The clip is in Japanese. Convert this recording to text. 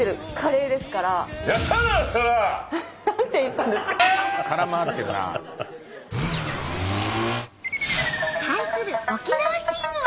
対する沖縄チームは。